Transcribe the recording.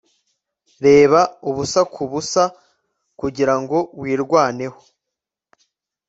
Reba ubusa kubusa kugirango wirwaneho